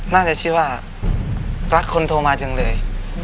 น่าจะชื่อว่ารักคนโทรมาจังเลย